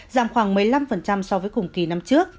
giảm khoảng một mươi năm so với cùng kỳ năm trước